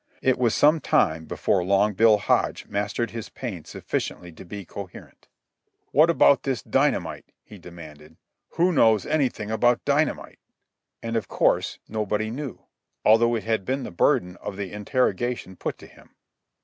It was some time before Long Bill Hodge mastered his pain sufficiently to be coherent. "What about this dynamite?" he demanded. "Who knows anything about dynamite?" And of course nobody knew, although it had been the burden of the interrogation put to him.